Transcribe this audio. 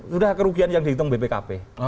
sudah kerugian yang dihitung bpkp